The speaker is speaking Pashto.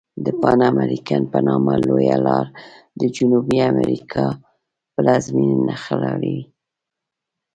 د پان امریکن په نامه لویه لار د جنوبي امریکا پلازمیني نښلولي.